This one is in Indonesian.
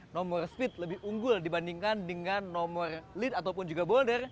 nomor speed lebih unggul dibandingkan dengan nomor lead ataupun juga boulder